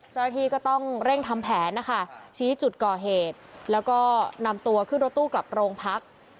เจ้าหน้าที่ก็ต้องเร่งทำแผนนะคะชี้จุดก่อเหตุแล้วก็นำตัวขึ้นรถตู้กลับโรงพัก